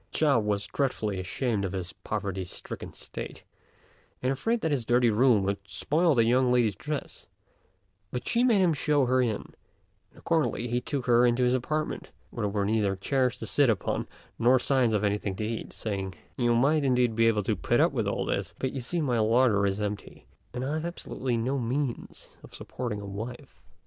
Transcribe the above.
Chao was dreadfully ashamed of his poverty stricken state, and afraid that his dirty room would spoil the young lady's dress; but she made him show her in, and accordingly he took her into his apartment, where there were neither chairs to sit upon, nor signs of anything to eat, saying, "You might, indeed, be able to put up with all this; but you see my larder is empty, and I have absolutely no means of supporting a wife."